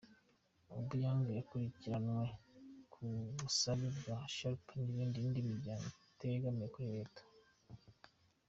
Obiang yakurikiranwe ku busabe bwa Sherpa n’indi miryango itegamiye kuri leta.